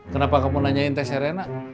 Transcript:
kenapa kamu nanyain t serena